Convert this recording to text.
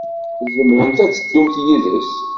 Tzemremt ad teddumt yid-s.